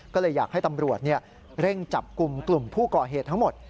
ก็เลยอยากให้ตำรวจเร่งจับกลุ่มกลุ่มผู้ก่อเหตุทั้งหมด